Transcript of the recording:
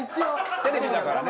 テレビだからね。